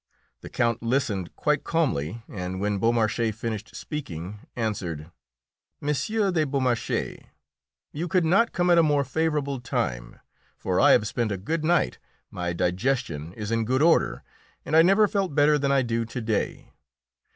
The Count listened quite calmly, and when Beaumarchais finished speaking, answered: "M. de Beaumarchais, you could not come at a more favourable time, for I have spent a good night, my digestion is in good order, and I never felt better than I do to day.